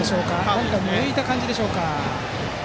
大きく抜いた感じでしょうか。